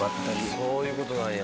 そういう事なんや。